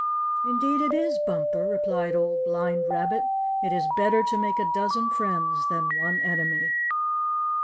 "Indeed, it is, Bumper," replied Old Blind Rabbit. "It is better to make a dozen friends than one enemy."